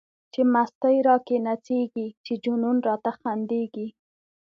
چی مستی را کی نڅیږی، چی جنون راته خندیږی